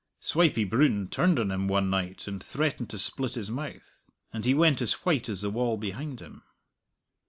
Swipey Broon turned on him one night, and threatened to split his mouth, and he went as white as the wall behind him.